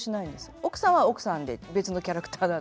奥さんは奥さんで別のキャラクターなんですけど。